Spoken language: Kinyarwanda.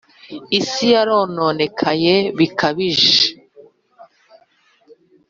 Isi yarononekaye bikabije